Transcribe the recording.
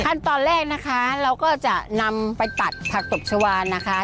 ขั้นตอนแรกนะคะเราก็จะนำไปตัดผักตบชาวานนะคะ